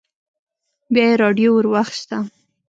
بيا يې راډيو ور واخيسته.